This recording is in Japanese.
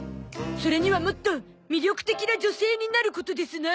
それにはもっと魅力的な女性になることですな。